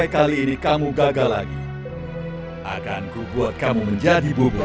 kali ini kamu gagal lagi akanku buat kamu menjadi bubur